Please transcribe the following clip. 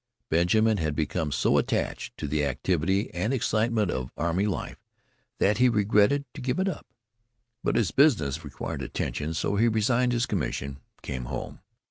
Benjamin had become so attached to the activity and excitement of array life that he regretted to give it up, but his business required attention, so he resigned his commission and came home.